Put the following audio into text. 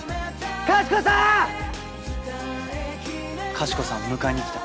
かしこさんを迎えに来た。